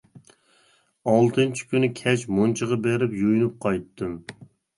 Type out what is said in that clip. ئالتىنچى كۈنى كەچ مۇنچىغا بېرىپ يۇيۇنۇپ قايتتىم.